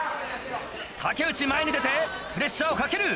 竹内前に出てプレッシャーをかける。